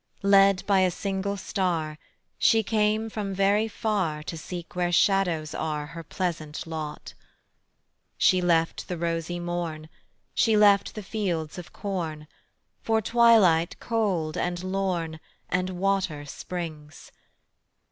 Led by a single star, She came from very far To seek where shadows are Her pleasant lot. She left the rosy morn, She left the fields of corn, For twilight cold and lorn And water springs.